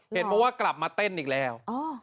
เห็นเหมือนว่ากลับมาเต้นอีกแล้ว